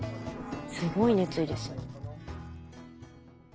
すごい熱意ですね。